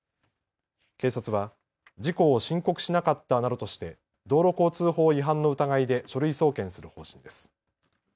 警察は事故を申告しなかったなどとして道路交通法違反の疑いで書類送検する方針です。